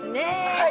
はい！